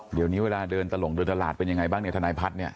เดี๋ยวนี้เวลาเดินตลงเดินตลาดเป็นยังไงบ้างเนี่ยทนายพัฒน์เนี่ย